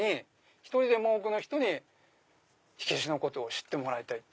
１人でも多くの人に火消しのことを知ってもらいたい。